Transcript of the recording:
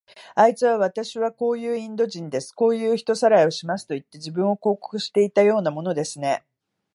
あいつは、わたしはこういうインド人です。こういう人さらいをしますといって、自分を広告していたようなものですね。